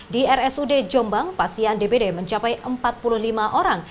di rsud jombang pasien dpd mencapai empat puluh lima orang